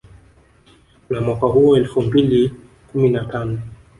Na mwaka huo elfu mbili kumi na tano